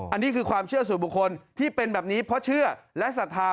อันนี้คือความเชื่อสู่บุคคลที่เป็นแบบนี้เพราะเชื่อและศรัทธา